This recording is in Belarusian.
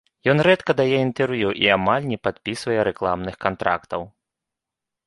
Ён рэдка дае інтэрв'ю і амаль не падпісвае рэкламных кантрактаў.